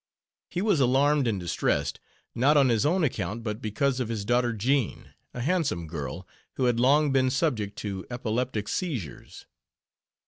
He was alarmed and distressed not on his own account, but because of his daughter Jean a handsome girl, who had long been subject to epileptic seizures.